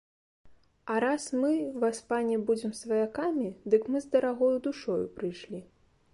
А раз мы, васпане, будзем сваякамі, дык мы з дарагою душою прыйшлі.